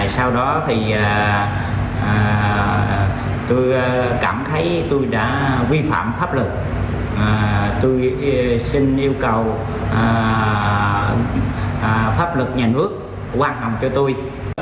sau đó thì tôi cảm thấy tôi đã vi phạm pháp luật tôi xin yêu cầu pháp luật nhà nước quan hồng cho tôi